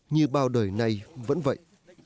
như bao đời này vẫn vậy